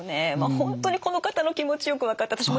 本当にこの方の気持ちよく分かって。